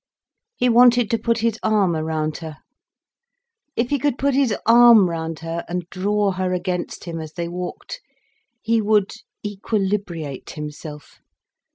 He wanted to put his arm round her. If he could put his arm round her, and draw her against him as they walked, he would equilibriate himself.